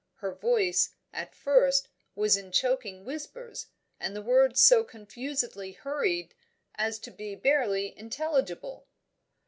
Her voice, at first, was in choking whispers, and the words so confusedly hurried as to be barely intelligible.